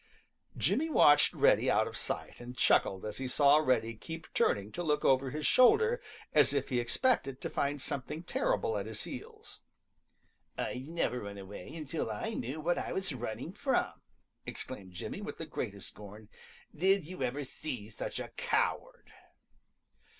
Jimmy watched Reddy out of sight and chuckled as he saw Reddy keep turning to look over his shoulder as if he expected to find something terrible at his heels. "I'd never run away until I knew what I was running from!" exclaimed Jimmy, with the greatest scorn. "Did you ever see such a coward?"